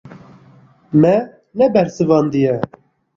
Me nebersivandiye.